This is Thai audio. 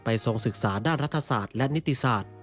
ทรงศึกษาด้านรัฐศาสตร์และนิติศาสตร์